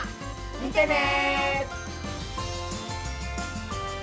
見てね！